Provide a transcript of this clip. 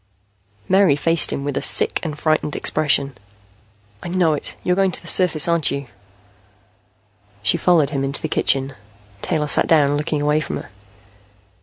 Mary faced him with a sick and frightened expression. "I know it. You're going to the surface. Aren't you?" She followed him into the kitchen. Taylor sat down, looking away from her.